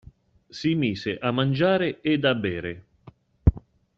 Si mise a mangiare ed a bere.